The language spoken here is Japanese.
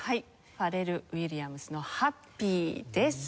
ファレル・ウィリアムスの『ハッピー』です。